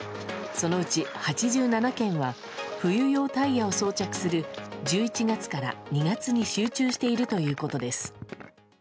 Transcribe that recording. そのうち８７件は冬用タイヤを装着する１１月から２月に集中しているということです。